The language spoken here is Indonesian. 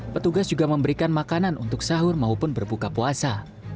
petugas juga memberikan makanan untuk sahur maupun berbuka puasa